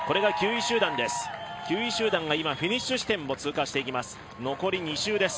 ９位集団が今、フィニッシュ地点を通過していきます。